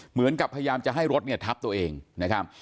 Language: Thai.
เหมือนกับพยายามจะให้รถเนี่ยทับตัวเองนะครับ